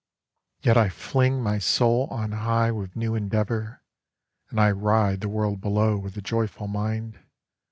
Yet I fling my soul on high with new endeavor, And I ride the world below with a joyful mind.